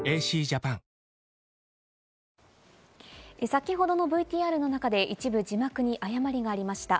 先ほどのＶＴＲの中で、一部、字幕に誤りがありました。